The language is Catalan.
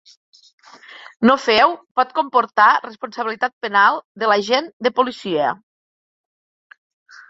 No fer-ho pot comportar responsabilitat penal de l’agent de policia.